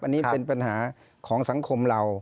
อันนี้เป็นปัญหาของสังคมเรา